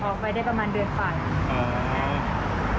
ออกไปได้ประมาณเดือนกว่า